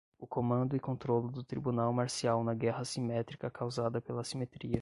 O comando e controlo do tribunal marcial na guerra assimétrica causada pela assimetria